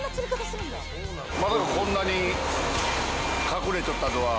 まさか、こんなに隠れっちょったとは。